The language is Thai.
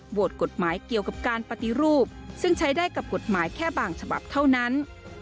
กฎหมายเกี่ยวกับการปฏิรูปซึ่งใช้ได้กับกฎหมายแค่บางฉบับเท่านั้น